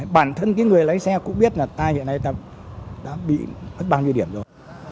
bản thân cái người lái xe cũng biết là ta hiện nay ta đã bị mất bao nhiêu điểm rồi